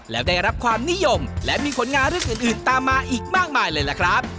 แล้วได้รับความนิยมและมีผลงานเรื่องอื่นตามมาอีกมากมายเลยล่ะครับ